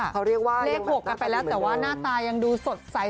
เขาเรียกว่าเลข๖กันไปแล้วแต่ว่าหน้าตายังดูสดใส